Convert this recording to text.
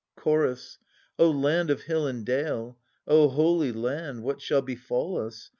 Chorus. O land of hill and dale, O holy land, What shall befall us